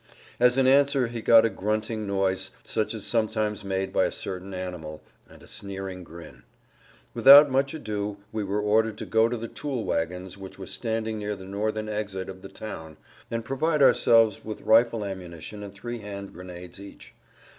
As an answer he got a grunting noise such as is sometimes made by a certain animal, and a sneering grin. Without much ado we were ordered to go to the tool wagons which were standing near the northern exit of the town, and provide ourselves with rifle ammunition and three hand grenades each.